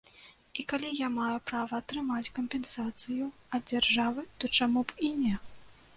І калі я маю права атрымаць кампенсацыю ад дзяржавы, то чаму б і не.